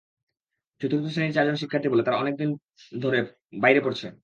চতুর্থ শ্রেণির চারজন শিক্ষার্থী বলে, তারা অনেক দিন ধরে বাইরে পড়ছে।